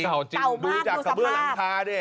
ดูสภาพดูสภาพดูจากสะเบื้องหลังท้าด้วย